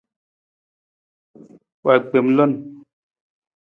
Wa gbem lon.